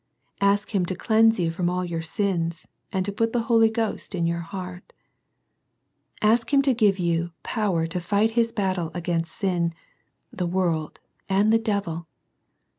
Ask Hira to cleanse you from all your sins, and to put the Holy Ghost in your heart Ask Him to give you power to fight His battle against sin, the world, and the devil.